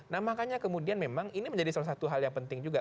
nah makanya kemudian memang ini menjadi salah satu hal yang penting juga